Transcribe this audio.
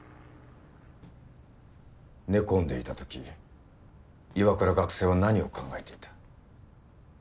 寝込んでいた時岩倉学生は何を考えていた？